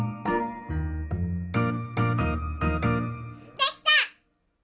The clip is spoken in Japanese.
できた！